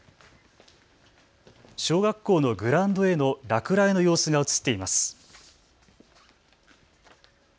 小学校のグラウンドへの落雷の様子が映っています。